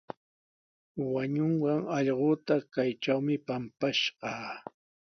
Wañunqan allquuta kaytrawmi pampashqaa.